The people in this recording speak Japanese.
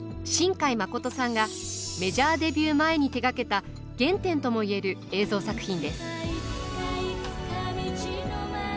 新海誠さんがメジャーデビュー前に手がけた原点ともいえる映像作品です。